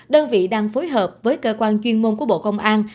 đơn vị đang phối hợp với cơ quan chuyên môn của bộ công an